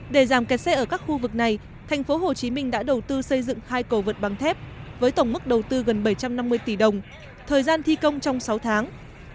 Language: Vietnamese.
để giảm kẹt xe ở các khu vực này thành phố hồ chí minh đã đầu tư xây dựng hai cầu vượt băng thép với tổng mức đầu tư gần bảy trăm năm mươi tỷ đồng thời gian thi công trong sáu tháng